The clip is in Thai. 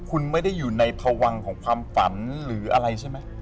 คุณไม่ได้อยู่ในพวังของความฝันหรืออะไรใช่ไหม